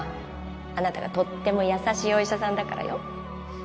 あなたがとっても優しいお医者さんだからよ